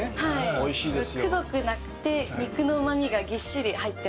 おいしいですよ。